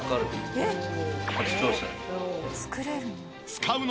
「作れるの？」